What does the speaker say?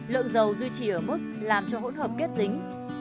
lượng dầu duy trì ở mức làm cho hỗn hợp kết dính